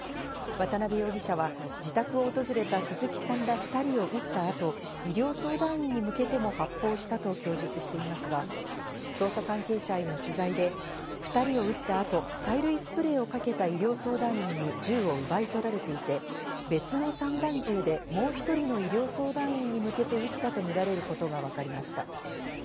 渡辺容疑者は自宅を訪れた鈴木さんら２人を撃ったあと、医療相談員に向けても発砲したと供述していますが、捜査関係者への取材で２人を撃ったあと催涙スプレーをかけた医療相談員に銃を奪い取られていて、別の散弾銃でもう１人の医療相談員に向けて撃ったとみられることがわかりました。